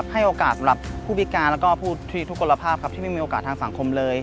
ให้โอกาสเรียบรับผู้บิการและคุณละภาพที่ไม่มีโอกาสของสังคมเลย